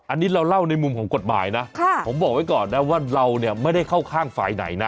อันนี้เราเล่าในมุมของกฎหมายนะผมบอกไว้ก่อนนะว่าเราเนี่ยไม่ได้เข้าข้างฝ่ายไหนนะ